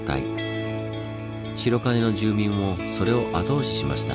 白金の住民もそれを後押ししました。